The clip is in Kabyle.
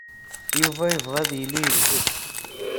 Yuba yebɣa ad yili yewjed.